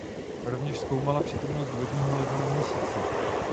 Rovněž zkoumala přítomnost vodního ledu na Měsíci.